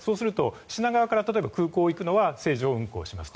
品川から例えば空港に行くのは正常運行しますと。